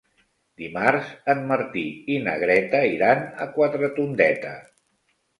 Dimarts en Martí i na Greta iran a Quatretondeta.